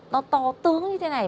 nó to tướng như thế này